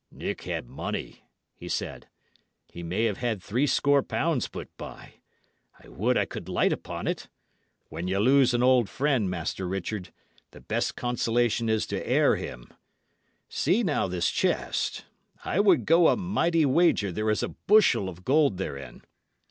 "Nick had money," he said. "He may have had three score pounds put by. I would I could light upon't! When ye lose an old friend, Master Richard, the best consolation is to heir him. See, now, this chest. I would go a mighty wager there is a bushel of gold therein.